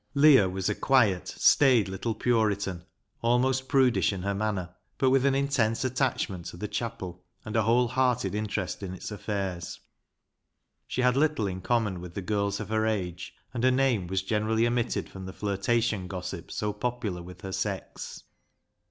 Leah was a quiet, staid little Puritan, almost prudish in her manner, but with an intense attachment to the chapel, and a whole hearted interest in its affairs. She had little in common with the girls of her age, and her name was generally omitted from the flirta tion gossip so popular with her sex.